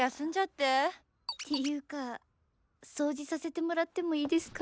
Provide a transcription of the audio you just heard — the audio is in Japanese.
ていうか掃除させてもらってもいいですか？